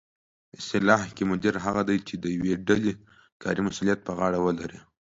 اصطلاح کې مدیر هغه دی چې د یوې ډلې کاري مسؤلیت په غاړه ولري